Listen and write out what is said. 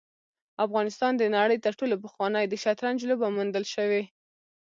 افغانستان د نړۍ تر ټولو پخوانی د شطرنج لوبه موندل شوې